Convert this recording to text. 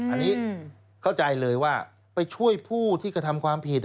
อันนี้เข้าใจเลยว่าไปช่วยผู้ที่กระทำความผิด